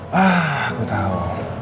wah aku tau